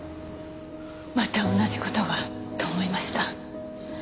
また同じ事がと思いました。